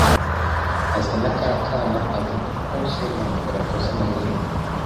azana ka kana avuga uko semuhanuka yakoze amayeri